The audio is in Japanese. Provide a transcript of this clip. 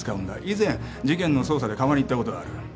以前事件の捜査で窯に行ったことがある。